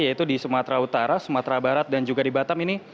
yaitu di sumatera utara sumatera barat dan juga di batam ini